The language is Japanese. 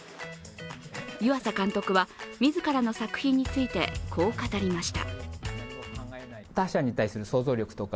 湯浅監督は、自らの作品についてこう語りました。